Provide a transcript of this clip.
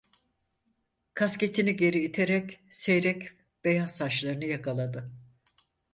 Kasketini geri iterek seyrek beyaz saçlarını yakaladı.